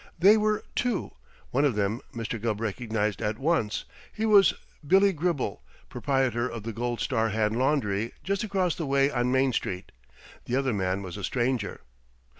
They were two. One of them Mr. Gubb recognized at once; he was Billy Gribble, proprietor of the Gold Star Hand Laundry, just across the way on Main Street. The other man was a stranger.